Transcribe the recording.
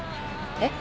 えっ？